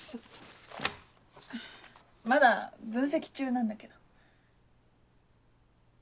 まだ分析中なんだけど。